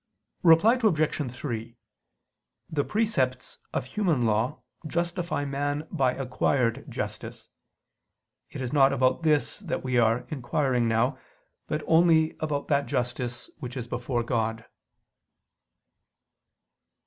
Reply Obj. 3: The precepts of human law justify man by acquired justice: it is not about this that we are inquiring now, but only about that justice which is before God.